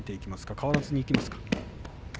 変わらずにいきますかね？